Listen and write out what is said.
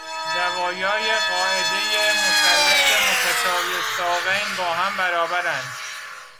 زوایای قاعدهی مثلث متساویالساقین با هم برابرند.